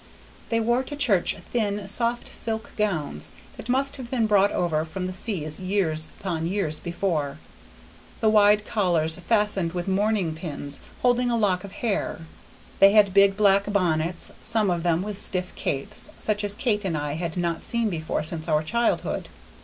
They wore to church thin, soft silk gowns that must have been brought from over the seas years upon years before, and wide collars fastened with mourning pins holding a lock of hair. They had big black bonnets, some of them with stiff capes, such as Kate and I had not seen before since our childhood.